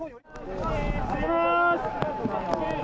いきます。